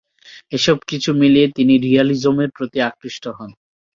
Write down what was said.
এসব কিছু মিলিয়ে তিনি রিয়ালিজমের প্রতি আকৃষ্ট হন।